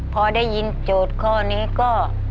พอได้ยินโจทย์ข้อนี้ก็